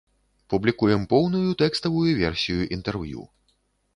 Публікуем поўную тэкставую версію інтэрв'ю.